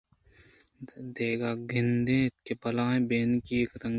داں گند یت بلاہیں بیٛنگی تَگنے